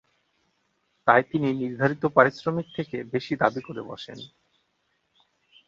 তাই তিনি নির্ধারিত পারিশ্রমিক থেকে বেশি দাবি করে বসেন।